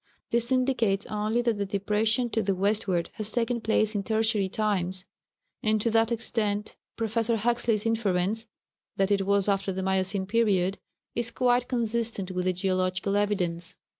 This indicates only that the depression to the westward has taken place in Tertiary times; and to that extent Professor Huxley's inference, that it was after the Miocene period, is quite consistent with the geological evidence."